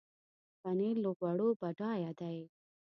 پنېر له غوړو بډایه دی.